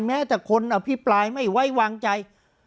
แม้แต่คนอภิปรายไม่ไว้วางใจ